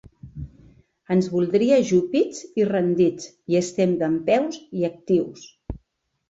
“Ens voldria ajupits i rendits i estem dempeus i actius”.